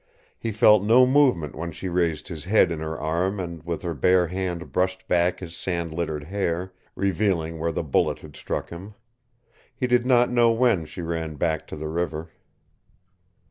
He felt no movement when she raised his head in her arm and with her bare hand brushed back his sand littered hair, revealing where the bullet had struck him. He did not know when she ran back to the river.